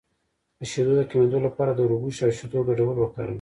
د شیدو د کمیدو لپاره د وربشو او شیدو ګډول وکاروئ